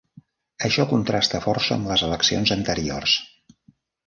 Això contrasta força amb les eleccions anteriors.